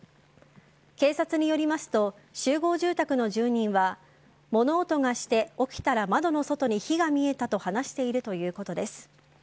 警察によりますと集合住宅の住人は物音がして起きたら窓の外に火が見えたと話しているということです。